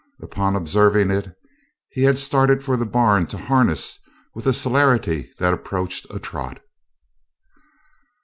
Upon observing it he had started for the barn to harness with a celerity that approached a trot.